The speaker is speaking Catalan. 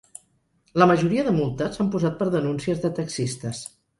La majoria de multes s'han posat per denúncies de taxistes